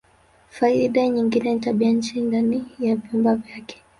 Faida nyingine ni tabianchi ndani ya vyumba vyake.